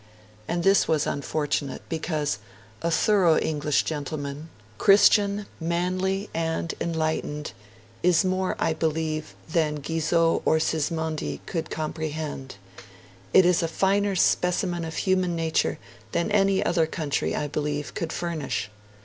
And this was unfortunate, because 'a thorough English gentleman Christian, manly, and enlightened is more, I believe, than Guizot or Sismondi could comprehend; it is a finer specimen of human nature than any other country, I believe, could furnish'.